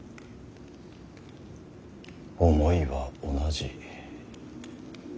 思いは同じ。